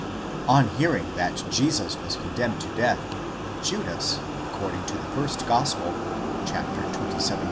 On hearing that Jesus was condemned to death, Judas, according to the first gospel (xxvii.